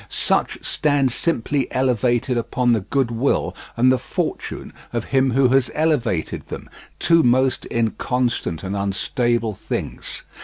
Such stand simply elevated upon the goodwill and the fortune of him who has elevated them—two most inconstant and unstable things.